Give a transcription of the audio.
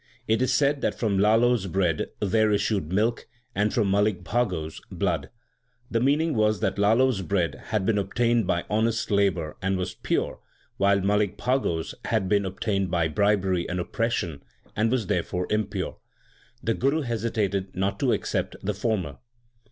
It is said that from Lalo s bread there issued milk, and from Malik Bhago s, blood. The meaning was that Lalo s bread had been obtained by honest labour and was pure, while Malik Bhago s had been obtained by bribery and oppression and was there fore impure. The Guru hesitated not to accept the former.